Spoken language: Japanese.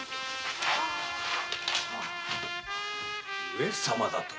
上様だと！？